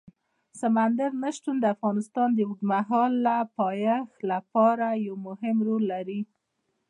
سمندر نه شتون د افغانستان د اوږدمهاله پایښت لپاره یو مهم رول لري.